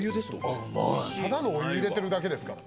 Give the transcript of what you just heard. ただのお湯入れてるだけですから。